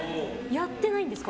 やってないんですか。